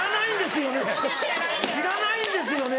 知らないんですよね？